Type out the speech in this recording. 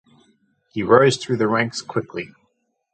He rose through the ranks quickly.